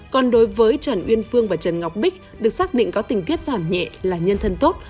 còn đối với trần uyên phương và trần ngọc bích được xác định có tình tiết giảm nhẹ là nhân thân tốt